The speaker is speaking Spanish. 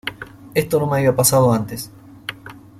Eso no me había pasado antes.